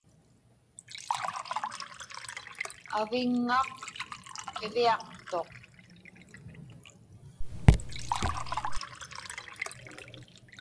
Aviŋŋaq qiviaqtuq.